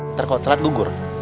ntar kalau telat gugur